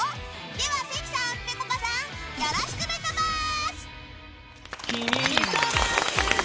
では、関さん、ぺこぱさんよろしくメタバース！